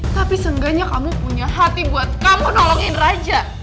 tapi seenggaknya kamu punya hati buat kamu nolongin raja